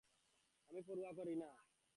আমি পরোয়া করি না।